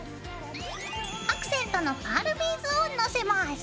アクセントのパールビーズをのせます。